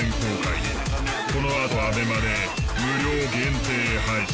このあとＡＢＥＭＡで無料限定配信。